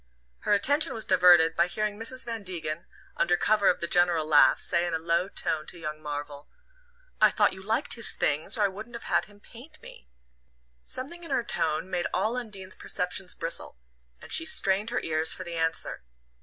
Her attention was diverted by hearing Mrs. Van Degen, under cover of the general laugh, say in a low tone to young Marvell: "I thought you liked his things, or I wouldn't have had him paint me." Something in her tone made all Undine's perceptions bristle, and she strained her ears for the answer.